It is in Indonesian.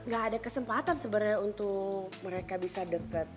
gak ada kesempatan sebenarnya untuk mereka bisa deket